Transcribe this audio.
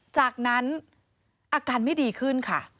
จากนั้นอาการไม่ดีขึ้นค่ะ